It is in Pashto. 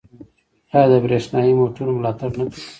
آیا د بریښنايي موټرو ملاتړ نه کوي؟